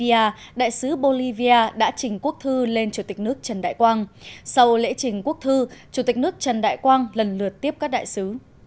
sau lễ trình quốc thư chủ tịch nước trần đại quang lần lượt tiếp các đại sứ